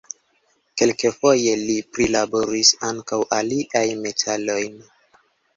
Kelkfoje li prilaboris ankaŭ aliajn metalojn.